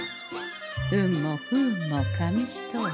運も不運も紙一重。